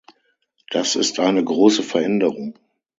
Das ist eine große Veränderung.